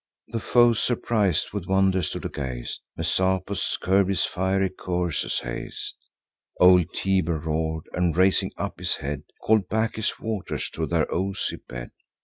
The foes, surpris'd with wonder, stood aghast; Messapus curb'd his fiery courser's haste; Old Tiber roar'd, and, raising up his head, Call'd back his waters to their oozy bed.